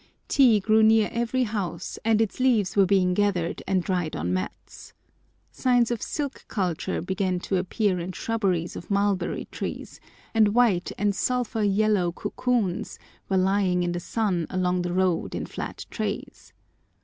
Tea grew near every house, and its leaves were being gathered and dried on mats. Signs of silk culture began to appear in shrubberies of mulberry trees, and white and sulphur yellow cocoons were lying in the sun along the road in flat trays.